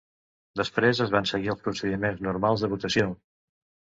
Després es van seguir els procediments normals de votació.